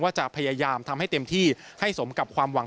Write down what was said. จะพยายามทำให้เต็มที่ให้สมกับความหวัง